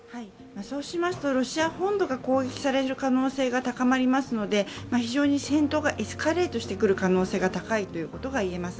そうしますとロシア本部が行使される可能性が高まりますので非常に侵攻がエスカレートしていく可能性が高いと言えます。